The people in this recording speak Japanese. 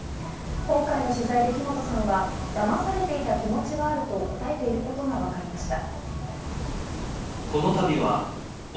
今回の取材で木本さんはだまされていた気持ちはあると答えていることがわかりました。